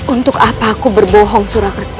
untuk apa aku berbohong surakerta